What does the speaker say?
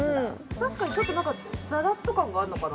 確かにちょっと何かザラッと感があるのかな？